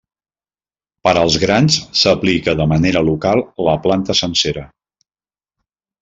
Per als grans s'aplica de manera local la planta sencera.